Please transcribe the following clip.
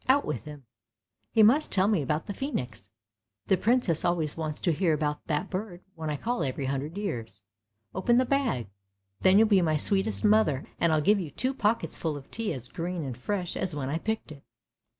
Out with him! He must tell me about the phoenix; the Princess always wants to hear about that bird when I call every hundred years. Open the bag! then you'll be my sweetest mother, and I'll give you two pockets full of tea as green and fresh as when I picked it!